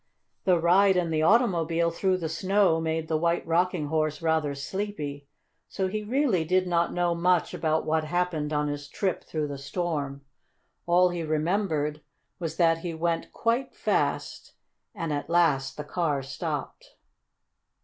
The ride in the automobile through the snow made the White Rocking Horse rather sleepy, so he really did not know much about what happened on his trip through the storm. All he remembered was that he went quite fast and at last the car stopped.